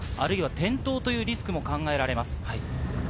転倒というリスクも考えられます。